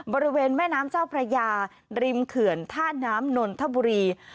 บริเวณแม่น้ำเจ้าพระยาริมเขื่อนท่าน้ำนนทบุรี